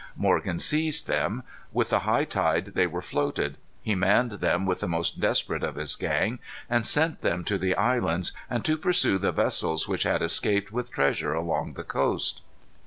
Morgan seized them. With the high tide they were floated. He manned them with the most desperate of his gang and sent them to the islands, and to pursue the vessels which had escaped with treasure along the coast.